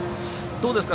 どうですか？